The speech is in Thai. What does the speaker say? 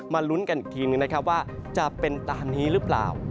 ลุ้นกันอีกทีนึงนะครับว่าจะเป็นตามนี้หรือเปล่า